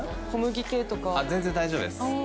全然大丈夫です。